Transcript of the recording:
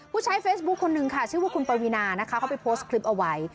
ผู้ใช้เฟซบุ๊คคนนึงค่ะชื่อว่าคุณปวีนานะคะเขาไปโพสต์คลิปเอาไว้